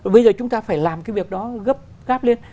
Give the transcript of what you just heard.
bây giờ chúng ta phải làm cái việc đó gấp gáp lên